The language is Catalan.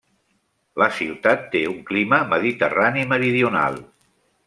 La ciutat té un clima mediterrani meridional.